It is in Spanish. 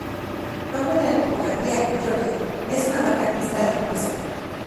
El nombre de la tipografía Georgia es una marca registrada de Microsoft.